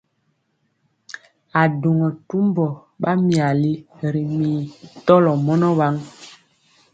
A duŋɔ tumbɔ ɓa myali ri mii tɔlɔ mɔnɔ waŋ.